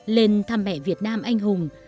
lên thăm mẹ việt nam anh hùng